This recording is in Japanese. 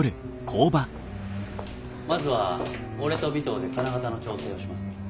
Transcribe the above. ・まずは俺と尾藤で金型の調整をします。